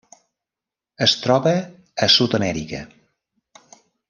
Es troba a Sud-amèrica.